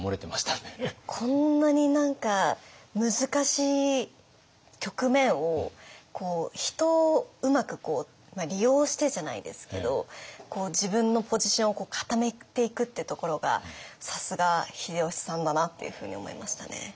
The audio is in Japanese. こんなに何か難しい局面を人をうまく利用してじゃないですけど自分のポジションを固めていくってところがさすが秀吉さんだなっていうふうに思いましたね。